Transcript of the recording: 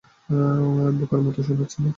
বোকার মত শুনাচ্ছে, না?